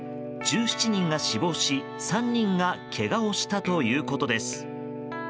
１７人が死亡し、３人がけがをしたということです。